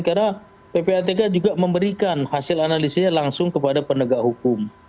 karena ppatk juga memberikan hasil analisisnya langsung kepada penegak hukum